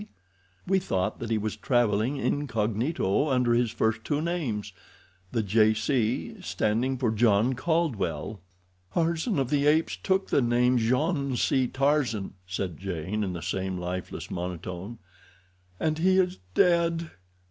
We thought that he was traveling incognito under his first two names—the J. C. standing for John Caldwell." "Tarzan of the Apes took the name Jean C. Tarzan," said Jane, in the same lifeless monotone. "And he is dead!